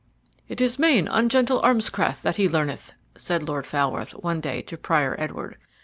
"It is main ungentle armscraft that he learneth," said Lord Falworth one day to Prior Edward.